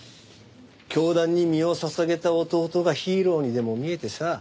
教団に身を捧げた弟がヒーローにでも見えてさ